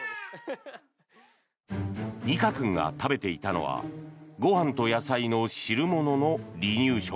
虹翔君が食べていたのはご飯と野菜の汁物の離乳食。